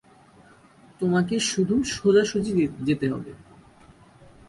তোমাকে শুধু সোজাসুজি যেতে হবে।